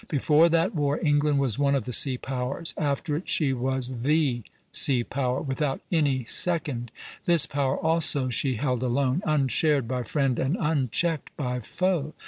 Before that war England was one of the sea powers; after it she was the sea power, without any second. This power also she held alone, unshared by friend and unchecked by foe.